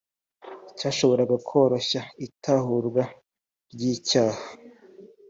cyashoboraga koroshya itahurwa ry icyaha